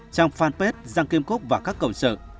trong fanpage giang kim cúc và các cầu sự